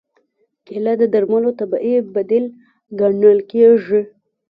کېله د درملو طبیعي بدیل ګڼل کېږي.